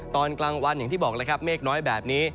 ตอนกลางวันอย่างที่บอกแล้วครับเมฆน้อยแบบนี้